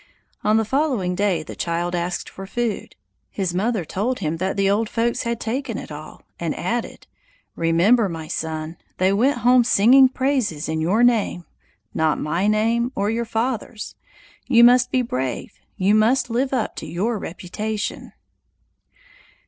On the following day the child asked for food. His mother told him that the old folks had taken it all, and added: "Remember, my son, they went home singing praises in your name, not my name or your father's. You must be brave. You must live up to your reputation."